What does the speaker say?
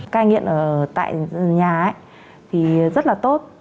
cái nghiện ở tại nhà thì rất là tốt